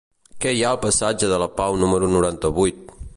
Què hi ha al passatge de la Pau número noranta-vuit?